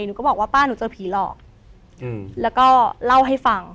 หนูก็บอกว่าป้าหนูเจอผีหลอกแล้วก็เล่าให้ฟัง